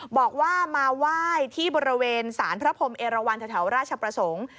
บอกว่ามาไหว้ที่บริเวณสารพระพรมเอราวันแถวราชประสงค์